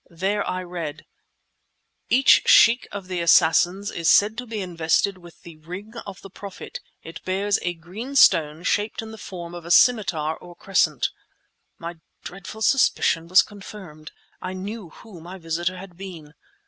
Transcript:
There I read— Each Sheikh of the Assassins is said to be invested with the "Ring of the Prophet." It bears a green stone, shaped in the form of a scimitar or crescent. My dreadful suspicion was confirmed. I knew who my visitor had been.